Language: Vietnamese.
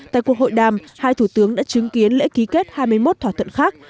tại cuộc hội đàm hai thủ tướng đã chứng kiến lễ ký kết hai mươi một thỏa thuận khác